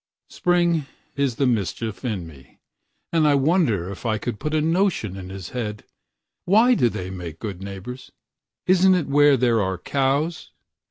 Spring is the mischief in me, and I wonderIf I could put a notion in his head:"Why do they make good neighbors? Isn't itWhere there are cows?